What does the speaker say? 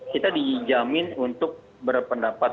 kita dijamin untuk berpendapat